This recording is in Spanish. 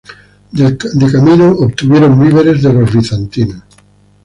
De camino, obtuvieron víveres de los bizantinos.